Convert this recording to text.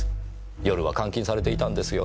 夜は監禁されていたんですよね？